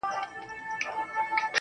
ژوند یې نور هم ښه او خوندور شو